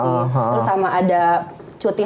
terus sama ada cuti